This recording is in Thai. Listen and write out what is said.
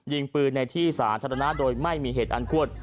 ยิงปืนในที่สาธารณะโดยไม่มีเหตุอันควร